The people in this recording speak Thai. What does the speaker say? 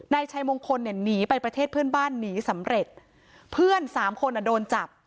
นายชัยมงคลเนี่ยหนีไปประเทศเพื่อนบ้านหนีสำเร็จเพื่อนสามคนอ่ะโดนจับ